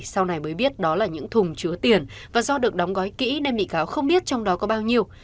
sau này mới biết đó là những thùng chứa tiền và do được đóng gói kỹ nên bị cáo không biết trong đó có bao nhiêu